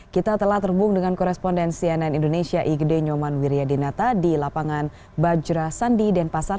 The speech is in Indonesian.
kita telah terhubung dengan koresponden cnn indonesia igd nyoman wiryadinata di lapangan bajra sandi denpasar